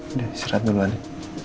udah istirahat dulu andin